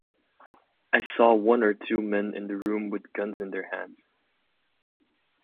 I saw one or two Men in the Room with Guns in their hands.